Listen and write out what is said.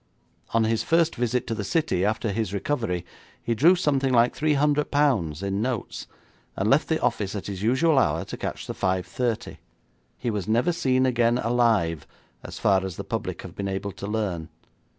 On his first visit to the City after his recovery, he drew something like £300 in notes, and left the office at his usual hour to catch the 5.30. He was never seen again alive, as far as the public have been able to learn.